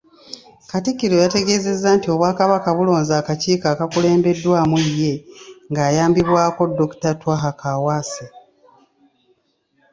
Katikkiro yategeezezza nti Obwakabaka bulonze akakiiko akakulembeddwamu ye ng’ayambibwako Dr. Twaha Kaawaase.